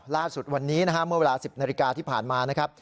ล่าสุดวันนี้นะฮะเมื่อเวลา๑๐นาฬิกาที่ผ่านมานะครับ